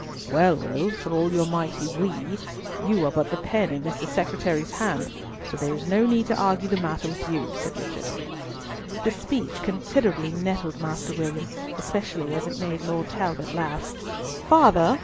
"Well, Will, for all your mighty word we, you are but the pen in Mr. Secretary's hand, so there is no need to argue the matter with you," said Richard. The speech considerably nettled Master William, especially as it made Lord Talbot laugh. "Father!"